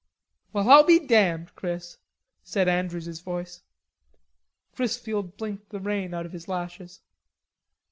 "Well, I'll be damned, Chris," said Andrews's voice. Chrisfield blinked the rain out of his lashes.